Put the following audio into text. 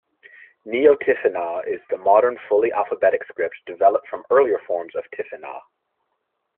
Neo-Tifinagh is the modern fully alphabetic script developed from earlier forms of Tifinagh.